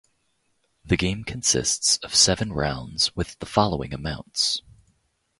The game consists of seven rounds with the following amounts.